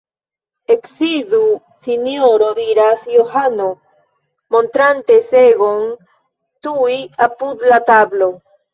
Eksidu sinjoro, diras Johano, montrante segon tuj apud la tablo.